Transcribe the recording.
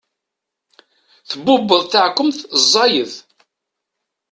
Tbubbeḍ taɛkemt ẓẓayet.